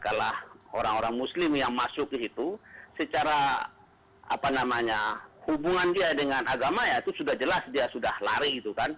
kalau orang orang muslim yang masuk ke situ secara hubungan dia dengan agama ya itu sudah jelas dia sudah lari gitu kan